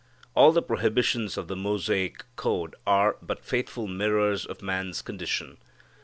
All the prohibitions of the Mosaic code are but faithful mirrors of man's condition.